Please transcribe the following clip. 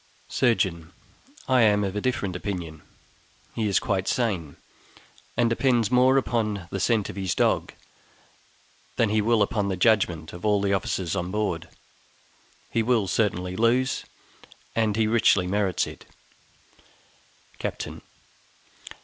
Surgeon. I am of a different opinion. He is quite sane, and depends more upon the scent of his dog than he will upon the judgment of all the officers on board; he will certainly lose, and he richly merits it. Captain.